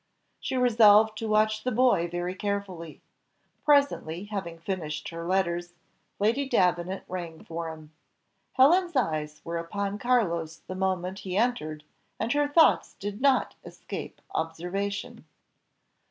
She resolved to watch the boy very carefully. Presently, having finished her letters, Lady Davenant rang for him. Helen's eyes were upon Carlos the moment he entered, and her thoughts did not escape observation.